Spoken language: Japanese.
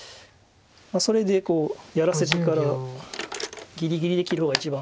それでこうやらせてからぎりぎりで切る方が一番。